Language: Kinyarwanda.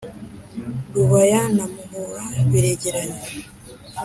rubaya na muhura biregeranye